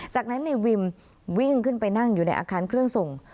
จากนั้นในวิมวิ่งขึ้นไปนั่งอยู่ในอาคารเครื่องส่ง